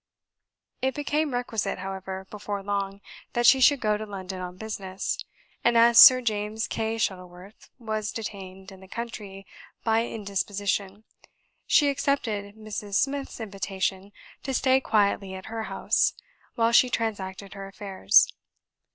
It became requisite, however, before long, that she should go to London on business; and as Sir James Kay Shuttleworth was detained in the country by indisposition, she accepted Mrs. Smith's invitation to stay quietly at her house, while she transacted her affairs.